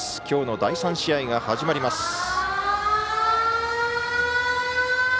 きょうの第３試合が始まります。